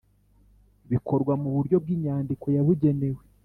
Bikorwa mu buryo bw’inyandiko yabugenewe